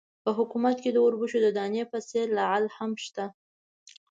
په حکومت کې د اوربشو د دانې په څېر لعل هم شته.